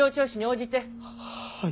はい。